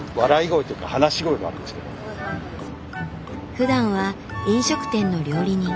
ふだんは飲食店の料理人。